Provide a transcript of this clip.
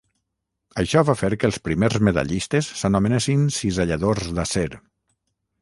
Això va fer que els primers medallistes s"anomenessin ciselladors d"acer.